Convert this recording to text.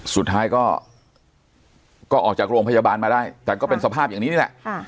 สุดท้ายก็ออกจากโรงพยาบาลมาได้แต่ก็เป็นสภาพอย่างนี้นี่แหละ